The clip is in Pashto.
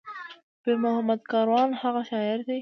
پير محمد کاروان هغه شاعر دى